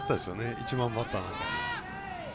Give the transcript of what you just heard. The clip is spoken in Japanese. １番バッターなんかに。